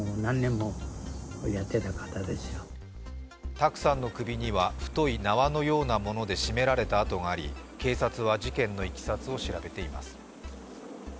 卓さんの首には太い縄のようなもので絞められた痕があり警察は事件のいきさつを調べています。